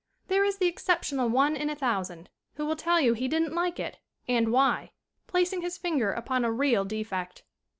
There is the exceptional one in a thousand who will tell you he didn't like it and why, placing his finger upon a real de fect.